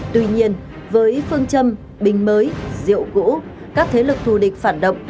tuy nhiên với phương châm bình mới rượu cũ các thế lực thù địch phản động